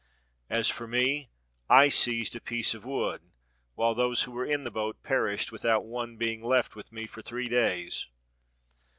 As for me, I seized a piece of wood, while those who were in the boat perished without one being left with me for three days.